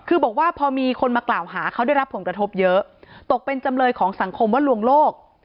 คือบอกว่าพอมีคนมากล่าวหาเขาได้รับผลกระทบเยอะตกเป็นจำเลยของสังคมว่าลวงโลก